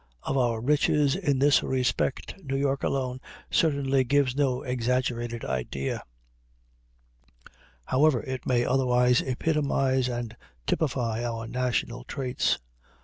Of our riches in this respect New York alone certainly gives no exaggerated idea however it may otherwise epitomize and typify our national traits.